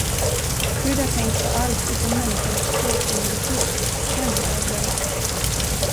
Gud har tänkt på allt utom människornas klåfingrighet, den har han glömt.